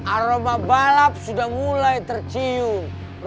aroma balap sudah mulai tercium